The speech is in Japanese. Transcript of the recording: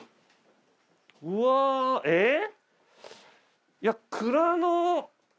うわ。えっ？